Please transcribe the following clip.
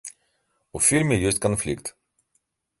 У фільме ёсць канфлікт.